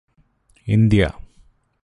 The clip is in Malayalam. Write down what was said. ഇന്ത്യ